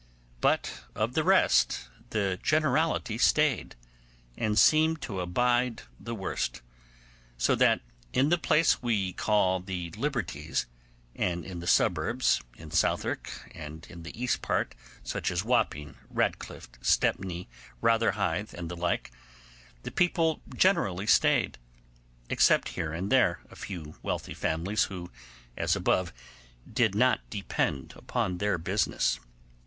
But of the rest, the generality stayed, and seemed to abide the worst; so that in the place we call the Liberties, and in the suburbs, in Southwark, and in the east part, such as Wapping, Ratcliff, Stepney, Rotherhithe, and the like, the people generally stayed, except here and there a few wealthy families, who, as above, did not depend upon their business.